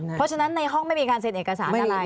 เพราะฉะนั้นในห้องไม่มีการเซ็นเอกสารอะไร